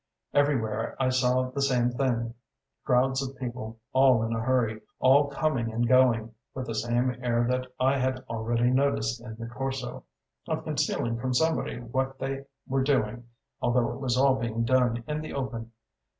Everywhere I saw the same thing crowds of people, all in a hurry, all coming and going, with the same air that I had already noticed in the Corso, of concealing from somebody what they were doing, although it was all being done in the open.